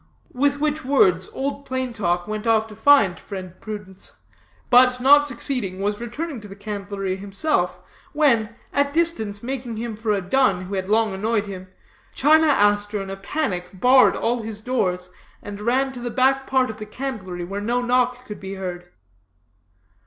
With which words Old Plain Talk went off to find friend Prudence, but not succeeding, was returning to the candlery himself, when, at distance mistaking him for a dun who had long annoyed him, China Aster in a panic barred all his doors, and ran to the back part of the candlery, where no knock could be heard.